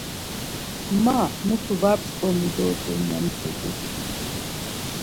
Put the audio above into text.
Ma mutu var p̌ç̌ǩomi dort̆un ya mtutik.